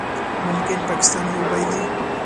ممکن پاکستان یې وبایلي